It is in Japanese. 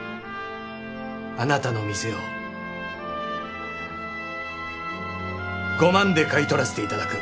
あなたの店を５万で買い取らせていただく。